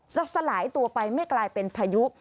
สลายตัวไปไม่กลายเป็นพายุ